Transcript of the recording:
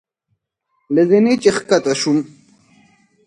له زینې چې ښکته شوم.